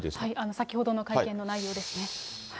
先ほどの会見の内容ですね。